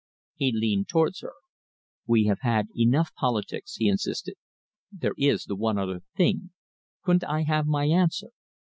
He leaned towards her. "We have had enough politics," he insisted. "There is the other thing. Couldn't I have my answer?"